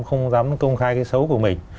không dám công khai cái xấu của mình